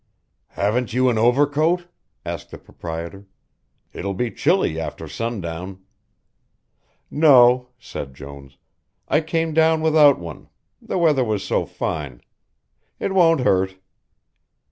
"Haven't you an overcoat?" asked the proprietor. "It'll be chilly after sundown." "No," said Jones. "I came down without one, the weather was so fine It won't hurt."